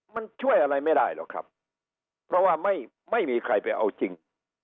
มันช่วยอะไรไม่ได้หรอกครับเพราะว่าไม่มีใครไปเอาจริง